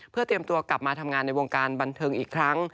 เพื่อเตรียมตัวกลับมาทำงานในวงการบันเทิงอีกครั้ง